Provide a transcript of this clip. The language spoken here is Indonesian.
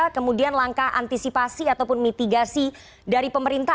kemudian langkah antisipasi ataupun mitigasi dari pemerintah